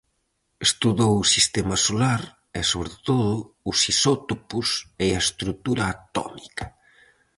Estudou o sistema solar e, sobre todo, os isótopos e a estrutura atómica.